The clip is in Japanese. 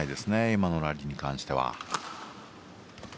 今のラリーに関しては。